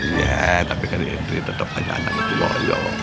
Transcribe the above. iya tapi kelihatannya tetap aja anaknya itu loyong